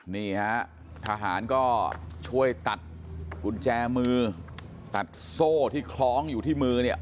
นี่ฮะทหารก็ช่วยตัดกุญแจมือตัดโซ่ที่คล้องอยู่ที่มือเนี่ย